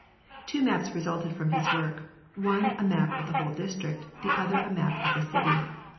Two maps resulted from his work, one a map of the whole District, the other a map of the city.